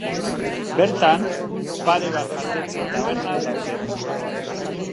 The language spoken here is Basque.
Bertan, pare bat jatetxe-taberna daude.